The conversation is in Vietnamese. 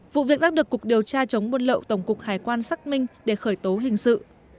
vụ việc đang được cục điều tra chống buôn lậu tổng cục hải quan xác minh để khởi tố hình sự